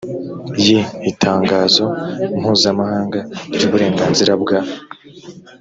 yi itangazo mpuzamahanga ry uburenganzira bwa